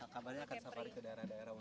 kabarnya akan safari ke daerah daerah